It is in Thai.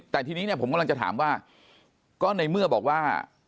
แต่ทีนี้เนี่ยผมกำลังจะถามว่าก็ในเมื่อบอกว่า